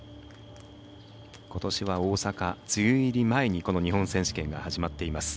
ことしは大阪、梅雨入り前にこの日本選手権が始まっています。